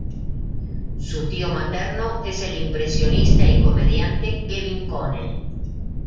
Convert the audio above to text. Su tío materno es el impresionista y comediante Kevin Connelly.